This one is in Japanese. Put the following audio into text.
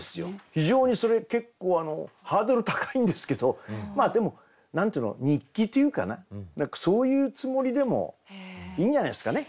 非常にそれ結構ハードル高いんですけどでも何ていうの日記というかな何かそういうつもりでもいいんじゃないですかね。